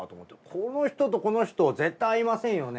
この人とこの人絶対合いませんよね？